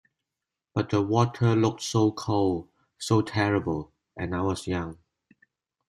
But the water looked so cold, so terrible, and I was young.